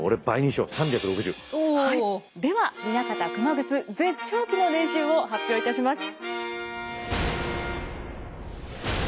はいでは南方熊楠絶頂期の年収を発表いたします。